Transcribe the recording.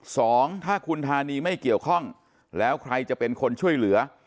สองถ้าคุณธานีไม่เกี่ยวข้องแล้วใครจะเป็นคนช่วยเหลือ